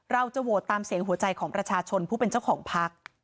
เราจะโหวตตามเสียงหัวใจของประชาชนผู้เป็นเจ้าของพัก